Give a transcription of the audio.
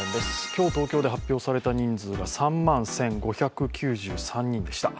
今日、東京で発表された人数が３万１５９３人でした。